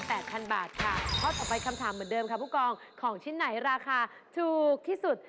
ค่ะข้อต่อไปคำถามเหมือนเดิมค่ะผู้กองของชิ้นไหนราคาถูกที่สุด